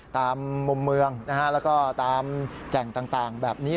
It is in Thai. ตามมุมเมืองนะฮะแล้วก็ตามแจ่งต่างแบบนี้